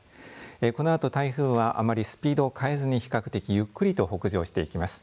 このあと台風はあまりスピードを変えずに比較的ゆっくりと北上してきます。